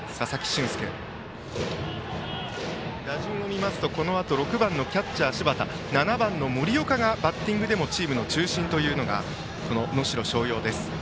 打順を見ますとこのあと６番のキャッチャー、柴田そして７番、森岡がバッティングでもチームの中心というのが能代松陽です。